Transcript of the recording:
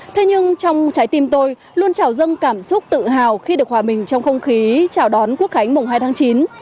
thế nhưng trong trái tim tôi luôn trào dâng cảm xúc tự hào khi được hòa mình trong không khí chào đón quốc khánh mùng hai tháng chín